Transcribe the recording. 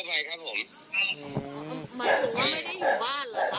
ผมกำลังเข้าไปครับผมอืมหมายถึงว่าไม่ได้อยู่บ้านเหรอคะ